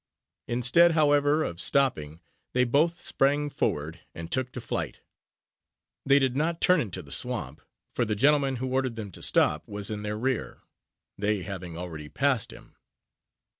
Instead, however, of stopping, they both sprang forward, and took to flight. They did not turn into the swamp, for the gentleman who ordered them to stop, was in their rear they having already passed him.